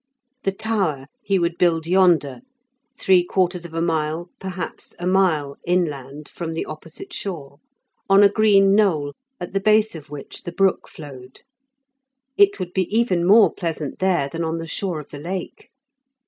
The tower he would build yonder, three quarters of a mile, perhaps a mile, inland from the opposite shore, on a green knoll, at the base of which the brook flowed. It would be even more pleasant there than on the shore of the lake.